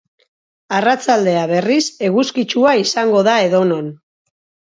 Arratsaldea, berriz, eguzkitsua izango da edonon.